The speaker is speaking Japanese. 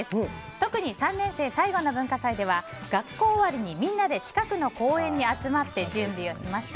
特に３年生最後の文化祭では学校終わりにみんなで近くの公園に集まって準備をしました。